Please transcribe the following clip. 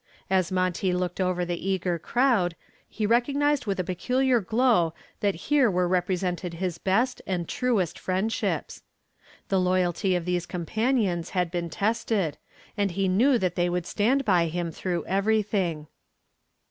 As Monty looked over the eager crowd, he recognized with a peculiar glow that here were represented his best and truest friendships. The loyalty of these companions had been tested, and he knew that they would stand by him through everything.